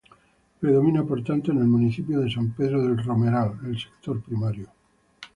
Predomina por tanto, en el municipio de San Pedro del Romeral, el sector primario.